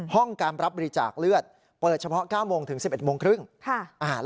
ห้องการรับบริจาคเลือดเปิดเฉพาะ๙นถึง๑๑น๓๐นาที